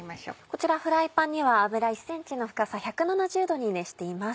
こちらフライパンには油１ｃｍの深さ１７０℃に熱しています。